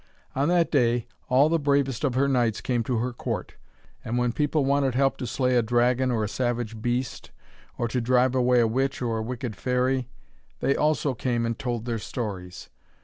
On that day all the bravest of her knights came to her court, and when people wanted help to slay a dragon or a savage beast, or to drive away a witch or wicked fairy, they also came and told their stories.